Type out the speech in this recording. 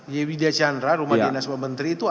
yewidah syandra rumah dinamanya